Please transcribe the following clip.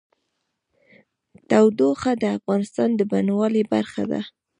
تودوخه د افغانستان د بڼوالۍ برخه ده.